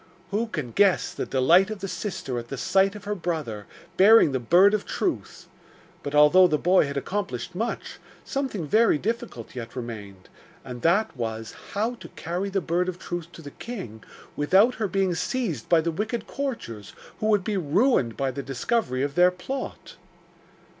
Who can guess the delight of the sister at the sight of her brother, bearing the Bird of Truth? But although the boy had accomplished much, something very difficult yet remained, and that was how to carry the Bird of Truth to the king without her being seized by the wicked courtiers, who would be ruined by the discovery of their plot.